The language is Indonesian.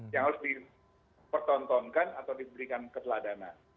yang harus dipertontonkan atau diberikan keteladanan